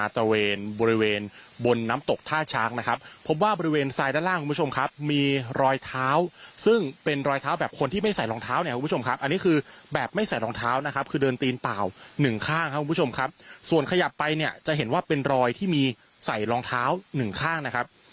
ที่มีใส่รองเท้าหนึ่งข้างนะครับ